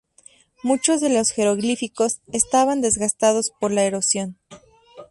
Muchos de los jeroglíficos estaban desgastados por la erosión.